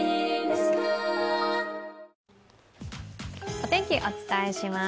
お天気、お伝えします。